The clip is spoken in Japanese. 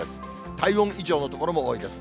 体温以上の所も多いです。